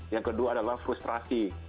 yang kedua adalah frustrasi